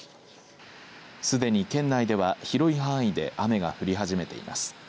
すでに県内では広い範囲で雨が降り始めています。